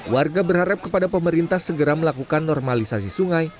warga berharap kepada pemerintah segera melakukan normalisasi sungai